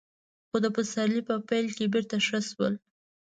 خو د پسرلي په پيل کې بېرته ښه شول.